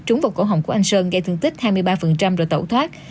trúng vào cổ hồng của anh sơn gây thương tích hai mươi ba rồi tẩu thoát